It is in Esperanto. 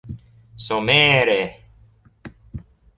somere